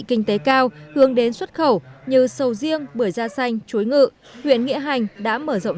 kinh tế cao hướng đến xuất khẩu như sầu riêng bưởi da xanh chuối ngự huyện nghĩa hành đã mở rộng